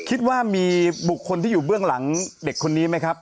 คิดว่ามีบุคคลที่อยู่เบื้องหลังเด็กคนนี้ไหมครับ